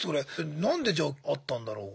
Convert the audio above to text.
何でじゃあ会ったんだろう。